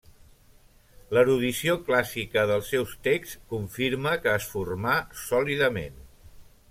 L'erudició clàssica dels seus texts confirma que es formà sòlidament.